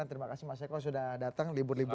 terima kasih mas eko sudah datang libur libur